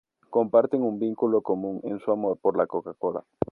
Comparten un vínculo común en su amor por la Coca-Cola.